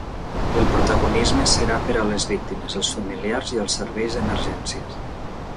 El protagonisme serà per a les víctimes, els familiars i els serveis d’emergències.